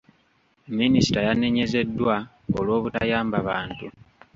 Minisita yanenyezzeddwa olw'obutayamba bantu.